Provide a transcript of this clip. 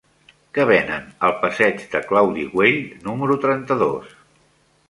Què venen al passeig de Claudi Güell número trenta-dos?